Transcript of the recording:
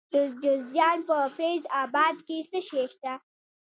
د جوزجان په فیض اباد کې څه شی شته؟